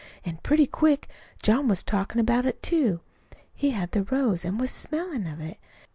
An' pretty quick John was talkin' about it, too. He had the rose an' was smellin' of it.